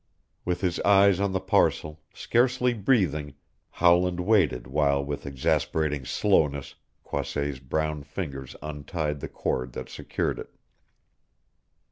'" With his eyes on the parcel, scarcely breathing, Howland waited while with exasperating slowness Croisset's brown fingers untied the cord that secured it.